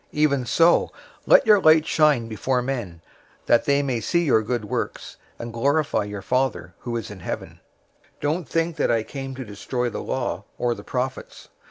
005:016 Even so, let your light shine before men; that they may see your good works, and glorify your Father who is in heaven. 005:017 "Don't think that I came to destroy the law or the prophets.